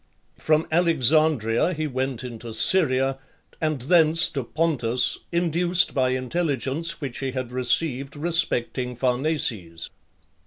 From Alexandria he went into Syria, and thence to Pontus, induced by intelligence which he had received respecting Pharnaces.